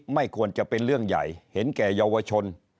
ไม่ควรจะเป็นเรื่องใหญ่เห็นแก่เยาวชน